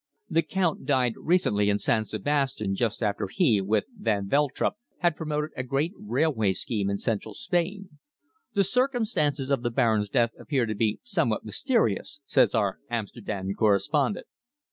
The Count died recently in San Sebastian just after he, with van Veltrup, had promoted a great railway scheme in Central Spain. The circumstances of the Baron's death appear to be somewhat mysterious, says our Amsterdam correspondent.